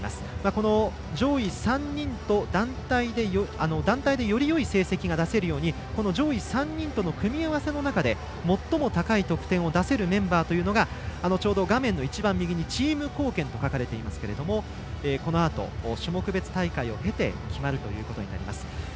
この上位３人と団体でよりよい成績が出せるように３人との組み合わせの中で最も高い得点を出せるメンバーというのがチーム貢献と書かれていますけれどもこのあと種目別大会を経て決まるということになります。